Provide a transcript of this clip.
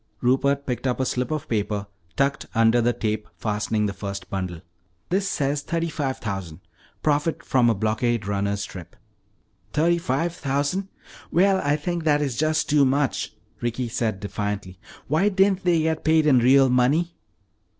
Rupert picked up a slip of paper tucked under the tape fastening the first bundle. "This says thirty five thousand profit from a blockade runner's trip." "Thirty five thousand! Well, I think that that is just too much," Ricky said defiantly. "Why didn't they get paid in real money?"